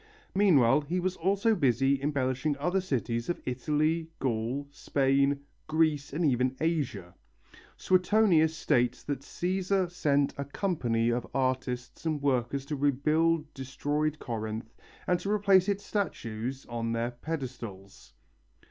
Meanwhile he was also busy embellishing other cities of Italy, Gaul, Spain, Greece, and even Asia. Suetonius states that Cæsar sent a company of artists and workers to rebuild destroyed Corinth and to replace its statues on their pedestals.